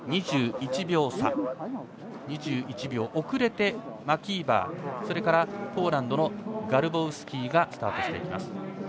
２１秒差、２１秒遅れてマキーバーとポーランドのガルボウスキがスタートしていきます。